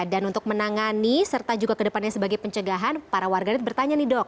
dan untuk menangani serta juga kedepannya sebagai pencegahan para warganet bertanya nih dok